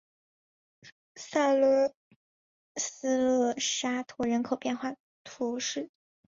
萨勒斯勒沙托人口变化图示